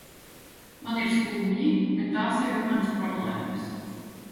Man ir skumji, bet tās jau ir manas problēmas.